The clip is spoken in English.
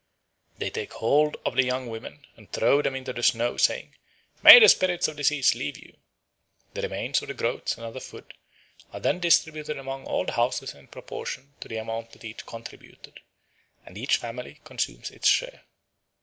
They take hold of the young women and throw them into the snow, saying, "May the spirits of disease leave you." The remains of the groats and the other food are then distributed among all the houses in proportion to the amount that each contributed, and each family consumes its share.